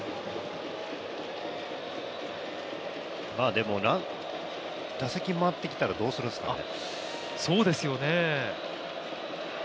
でも打席回ってきたらどうするんですかね？